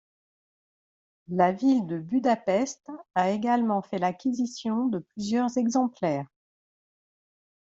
La ville de Budapest a également fait l'acquisition de plusieurs exemplaires.